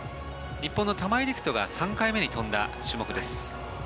日本の玉井陸斗が３回目に飛んだ種目です。